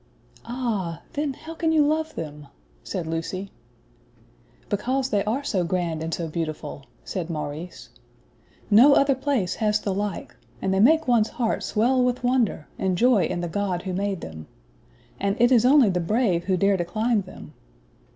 "Ah! then how can you love them?" said Lucy. "Because they are so grand and so beautiful," said Maurice. "No other place has the like, and they make one's heart swell with wonder, and joy in the God who made them. And it is only the brave who dare to climb them!"